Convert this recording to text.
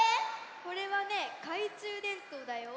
これはねかいちゅうでんとうだよ。